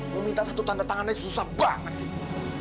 meminta satu tanda tangannya susah banget sih